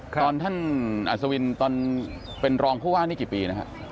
ตอนท่านอัศวินตอนเป็นรองผู้ว่านี่กี่ปีนะฮะ